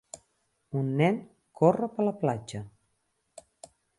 Un nen corre per la platja.